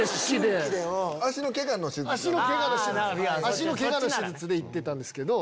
脚のケガの手術で行ってたんですけど。